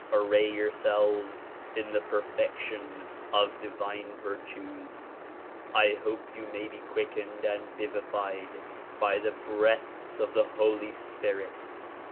Array yourselves in the perfection of divine virtues. I hope you maj' be ciuickened and vivified by the breaths of the Holy Spirit.